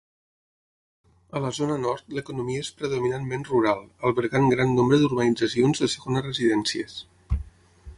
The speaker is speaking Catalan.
A la zona nord l'economia és predominantment rural, albergant gran nombre d'urbanitzacions de segones residències.